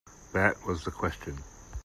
That was the question.